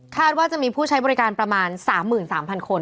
ว่าจะมีผู้ใช้บริการประมาณ๓๓๐๐คน